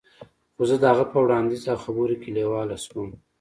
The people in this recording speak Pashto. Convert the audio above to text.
خو زه د هغه په وړاندیز او خبرو کې لیواله شوم